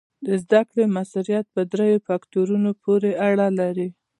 د زده کړې مؤثریت په دریو فکتورونو پورې اړه لري.